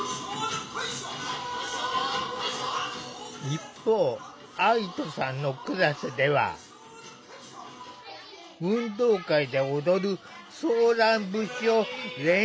一方愛土さんのクラスでは運動会で踊るソーラン節を練習していた。